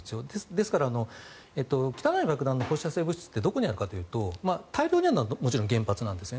ですから汚い爆弾の放射性物質ってどこにあるかというと大量にあるのはもちろん原発なんです。